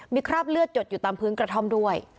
มีคราบเลือดหยดอยู่ตามพื้นกระท่อมด้วย